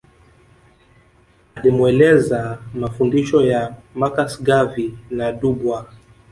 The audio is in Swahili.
Alimueleza mafundisho ya Marcus Garvey na Du Bois